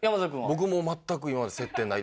僕も全く今まで接点ないですね。